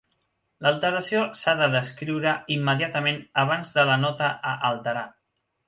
L'alteració s'ha d'escriure immediatament abans de la nota a alterar.